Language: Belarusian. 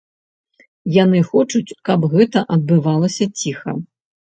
Яны хочуць, каб гэта адбывалася ціха.